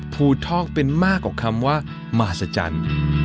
ภูทอกเป็นมากกว่าคำว่ามหัศจรรย์